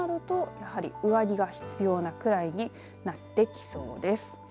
そうなるとやはり上着が必要なくらいになってきそうです。